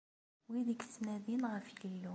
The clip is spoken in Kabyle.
Wid i yettnadin ɣef Yillu.